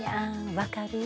分かる？